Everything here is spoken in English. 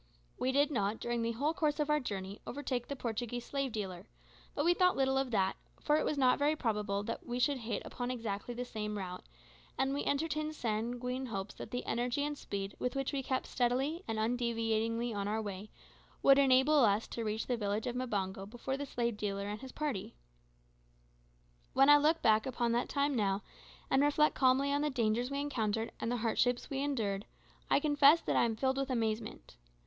We did not, during the whole course of our journey, overtake the Portuguese slave dealer; but we thought little of that, for it was not very probable that we should hit upon exactly the same route, and we entertained sanguine hopes that the energy and speed with which we kept steadily and undeviatingly on our way would enable us to reach the village of Mbango before the slave dealer and his party. When I look back upon that time now, and reflect calmly on the dangers we encountered and the hardships we endured, I confess that I am filled with amazement.